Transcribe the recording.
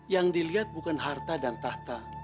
yang dilihat bukan harta dan tahta